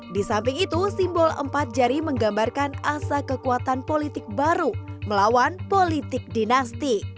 di samping itu simbol empat jari menggambarkan asa kekuatan politik baru melawan politik dinasti